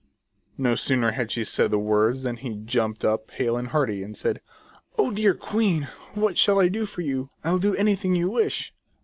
No sooner had she said the words than he jumped up hale and hearty, and said :" Oh, dear queen, what shall I do for you ? I'll do anything you wish."